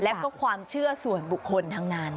และก็ความเชื่อส่วนบุคคลทั้งนั้น